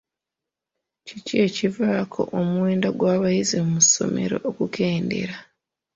Kiki ekivaako omuwendo gw'abayizi mu ssomero okukendeera?